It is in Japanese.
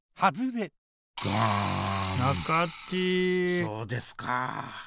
そうですか。